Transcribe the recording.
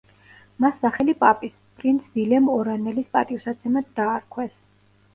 მას სახელი პაპის, პრინც ვილემ ორანელის პატივსაცემად დაარქვეს.